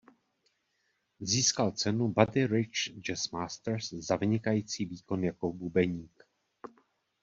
Získal cenu Buddy Rich Jazz Masters za vynikající výkon jako bubeník.